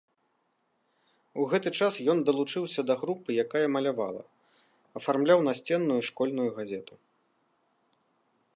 У гэты час ён далучыўся да групы, якая малявала, афармляў насценную школьную газету.